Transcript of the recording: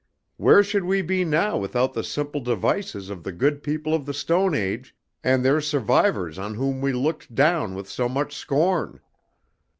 Where should we be now without the simple devices of the good people of the Stone Age, and their survivors on whom we looked down with so much scorn?"